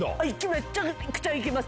めちゃくちゃ行きます。